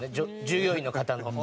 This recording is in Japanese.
従業員の方の。